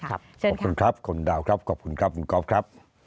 ขอบคุณครับขอบคุณครับคุณดาวครับขอบคุณครับคุณกอล์ฟครับ